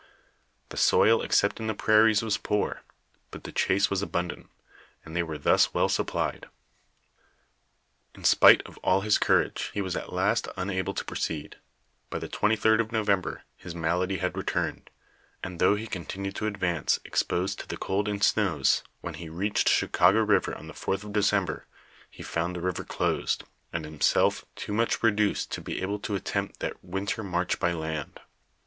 The soil except in the prairies was poor, bnt the chase was abundant, and they were thns well supplied. r In spite of all his courage, he was at last unable to proceed; by tlie 23d of November his malady had returned, and though he continued to advance, exposed to the cold and snows, when he reached Cliicago river on the 4th of December, ne found the liver closed, and himself too much reduced to be able to attempt that winter march by land.